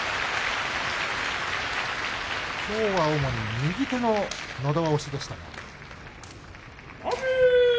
きょうは主に右手ののど輪押しでした。